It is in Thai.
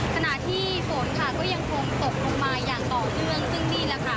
ขณะที่ฝนค่ะก็ยังคงตกลงมาอย่างต่อเนื่องซึ่งนี่แหละค่ะ